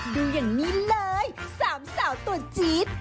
ดูอย่างนี้เลย๓สาวตัวจี๊ด